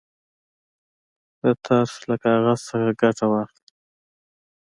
د ترس له کاغذ څخه ګټه واخلئ.